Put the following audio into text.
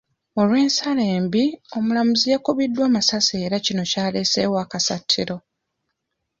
Olw'ensala embi, omulamuzi yakubiddwa essasi era kino kyaleeseewo akasattiro.